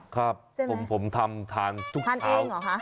ครับผมทำทานทุกวันทานเองเหรอคะ